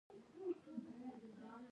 والي باید عادل وي